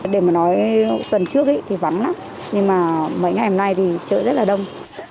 để mà nói tuần trước thì vắng lắm nhưng mà mấy ngày hôm nay thì trời rất là đông